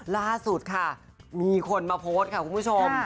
ล่าสุดค่ะมีคนมาโพสต์ค่ะคุณผู้ชม